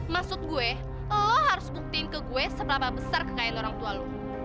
maksud gue oh harus buktiin ke gue seberapa besar kekayaan orang tua lo